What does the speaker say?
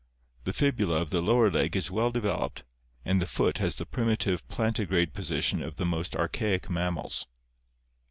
The fibula of the lower leg is well developed and the foot has the primitive plantigrade position of the most archaic mammals.